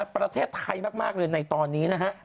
ประเทศไทยมากเลยในตอนนี้นะครับ